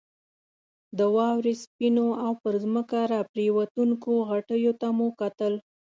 د واورې سپینو او پر ځمکه راپرېوتونکو غټیو ته مو کتل.